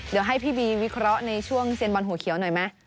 เดี๋ยวให้พี่บีวิเคราะห์ในช่วงเซียนบอลหัวเขียวหน่อยไหม